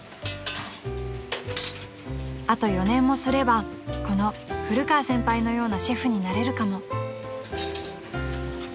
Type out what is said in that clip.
［あと４年もすればこの古川先輩のようなシェフになれるかも］